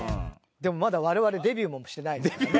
でもまだ我々デビューもしてないですからね。